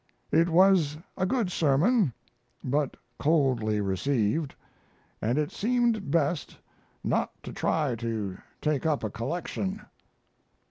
It was a good sermon, but coldly received, & it seemed best not to try to take up a collection.